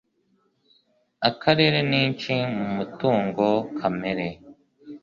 Akarere ninshi mu mutungo kamere